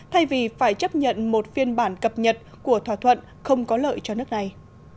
thay vì phải chấp nhận một phiên bản cập nhật của thỏa thuận không có lợi cho nước này